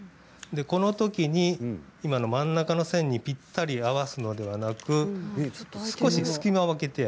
このときに今の真ん中の線にぴったり合わせるのではなく少し隙間を空けて。